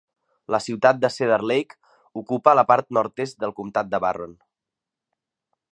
La ciutat de Cedar Lake ocupa la part nord-est del comptat de Barron.